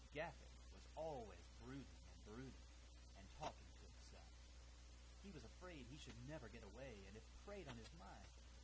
"Gaffett was always brooding and brooding, and talking to himself; he was afraid he should never get away, and it preyed upon his mind.